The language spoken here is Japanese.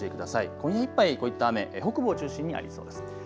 今夜いっぱいこういった雨、北部を中心にありそうです。